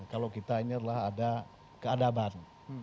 kalau kita ini adalah ada keadaban